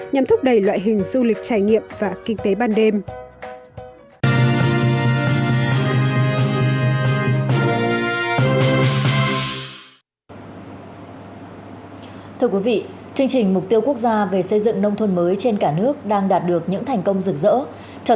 nhằm thúc đẩy loại hình du lịch trải nghiệm và kinh tế